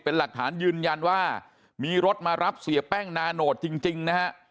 เป็นหลักฐานยืนยันว่ามีรถมารับเสียแป้งนาโนตจริงนะฮะ